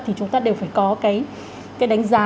thì chúng ta đều phải có cái đánh giá